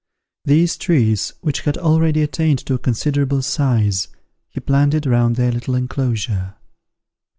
These trees, which had already attained to a considerable size, he planted round their little enclosure.